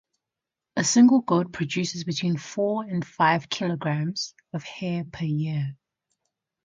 A single goat produces between four and five kilograms of hair per year.